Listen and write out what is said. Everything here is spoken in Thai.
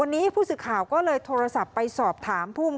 วันนี้ผู้สื่อข่าวก็เลยโทรศัพท์ไปสอบถามภูมิ